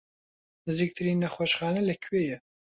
نزیکترین نەخۆشخانە لەکوێیە؟